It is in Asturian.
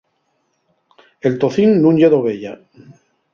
El tocín nun ye d'oveya.